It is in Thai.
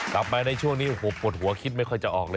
กลับมาในช่วงนี้โอ้โหปวดหัวคิดไม่ค่อยจะออกเลย